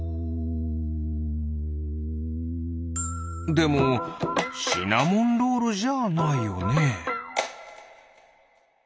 でもシナモンロールじゃないよね。